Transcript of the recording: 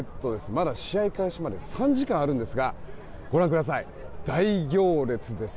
まだ試合開始まで３時間あるんですがご覧ください、大行列です。